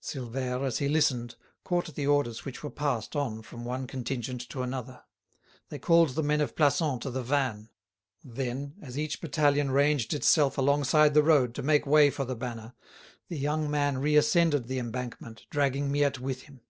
Silvère, as he listened, caught the orders which were passed on from one contingent to another; they called the men of Plassans to the van. Then, as each battalion ranged itself alongside the road to make way for the banner, the young man reascended the embankment, dragging Miette with him.